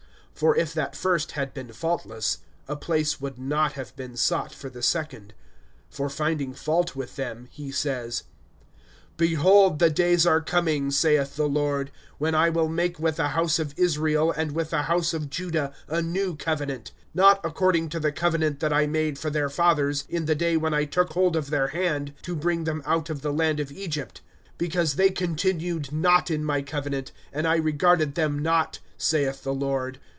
(7)For if that first had been faultless, a place would not have been sought for the second. (8)For finding fault with them, he says[8:8]: Behold the days are coming, saith the Lord, When I will make with the house of Israel, And with the house of Judah, a new covenant; (9)Not according to the covenant that I made for their fathers, In the day when I took hold of their hand, To bring them out of the land of Egypt; Because they continued not in my covenant, And I regarded them not, saith the Lord.